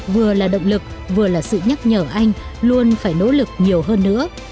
vừa là động lực vừa là sự nhắc nhở anh luôn phải nỗ lực nhiều hơn nữa